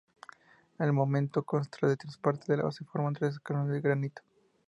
El monumento consta de tres partes: la base la forman tres escalones de granito.